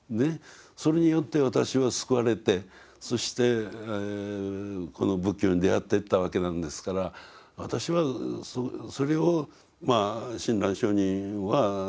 それによって私は救われてそしてこの仏教に出会っていったわけなんですから私はそれを親鸞聖人は「他力」という捉え方をなさったんだと。